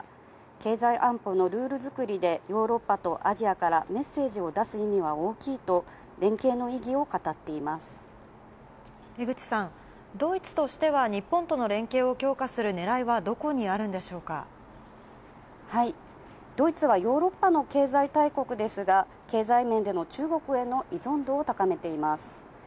経済安保のルール作りで、ヨーロッパとアジアからメッセージを出す意味は大きいと、連携の江口さん、ドイツとしては日本との連携を強化するねらいはどこにあるんでしドイツはヨーロッパの経済大国ですが、経済面での中国への依存度を高めています。